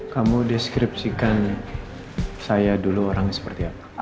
kamu deskripsikan saya dulu orangnya seperti apa